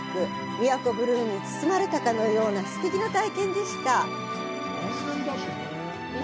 宮古ブルーに包まれたかのようなすてきな体験でした。